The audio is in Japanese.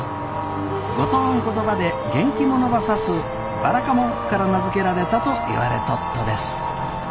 五島ん言葉で元気者ば指すばらかもんから名付けられたといわれとっとです。